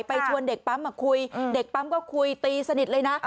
ชวนเด็กปั๊มมาคุยเด็กปั๊มก็คุยตีสนิทเลยนะ